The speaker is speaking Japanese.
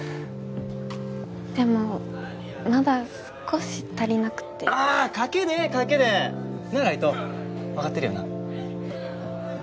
でもまだ少し足りなくてあぁ掛けでええ掛なあライト？わかってるよな？